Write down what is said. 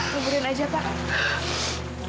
kuburin aja pak